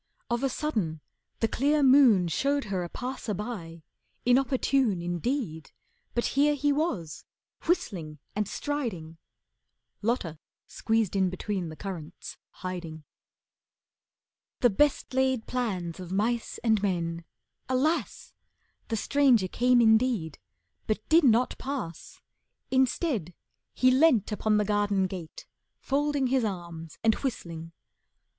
Of a sudden, the clear moon Showed her a passer by, inopportune Indeed, but here he was, whistling and striding. Lotta squeezed in between the currants, hiding. "The best laid plans of mice and men," alas! The stranger came indeed, but did not pass. Instead, he leant upon the garden gate, Folding his arms and whistling.